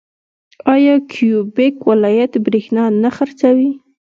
آیا کیوبیک ولایت بریښنا نه خرڅوي؟